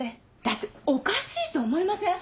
だっておかしいと思いません？